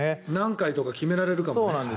何回とか決められるかもね。